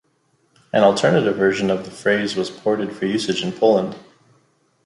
An alternative version of the phrase was ported for usage in Poland.